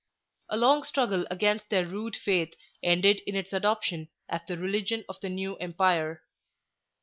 A long struggle against their rude faith ended in its adoption as the religion of the new empire.